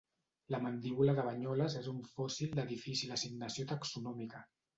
La mandíbula de Banyoles és un fòssil de difícil assignació taxonòmica.